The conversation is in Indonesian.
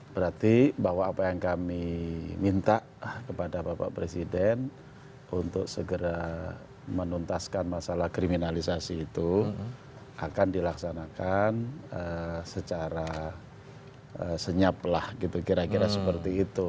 berarti bahwa apa yang kami minta kepada bapak presiden untuk segera menuntaskan masalah kriminalisasi itu akan dilaksanakan secara senyap lah gitu kira kira seperti itu